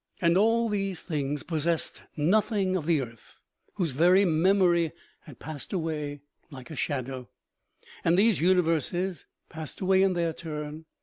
And all these things possessed nothing of OMEGA. 287 the earth, whose very memory had passed away like a shadow. And these universes passed away in their turn.